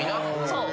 そう。